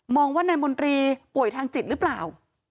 ว่านายมนตรีป่วยทางจิตหรือเปล่า